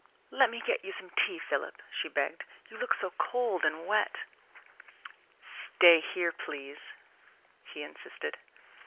"Let me get you some tea, Philip," she begged. "You look so cold and wet." "Stay here, please," he insisted.